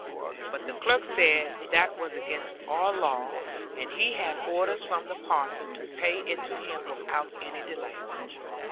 But the clerk said that was against all law; and he had orders from the parson to pay it to him without any delay.